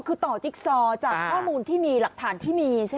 คือต่อจิ๊กซอจากข้อมูลที่มีหลักฐานที่มีใช่ไหม